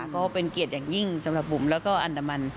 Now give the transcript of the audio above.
ก็เป็นเกียรติอย่างยิ่งสำหรับบุ๋มแล้วก็อันดามัน